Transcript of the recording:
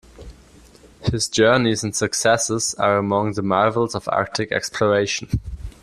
His journeys and successes are among the marvels of Arctic exploration.